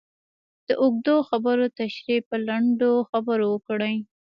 د اوږدو خبرو تشرېح په لنډو خبرو وکړئ.